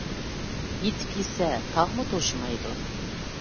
يېتىپ يېسە تاغمۇ توشىمايدۇ.